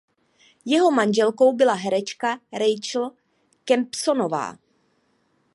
Jeho manželkou byla herečka Rachel Kempsonová.